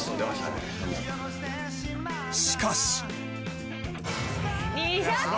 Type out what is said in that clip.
しかし。